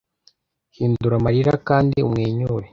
hindura amarira kandi umwenyure